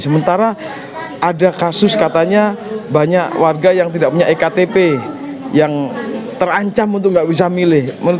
sementara ada kasus katanya banyak warga yang tidak punya ektp yang terancam untuk nggak bisa milih menurut kami gimana